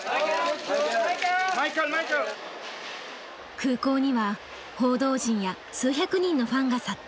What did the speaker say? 空港には報道陣や数百人のファンが殺到。